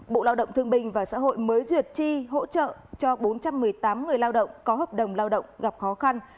bộ lao động thương bình và xã hội mới duyệt chi hỗ trợ cho bốn trăm một mươi tám người lao động có hợp đồng lao động gặp khó khăn